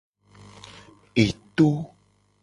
Eto.